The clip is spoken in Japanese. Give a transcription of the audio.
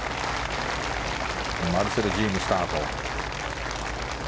マルセル・ジーム、スタート。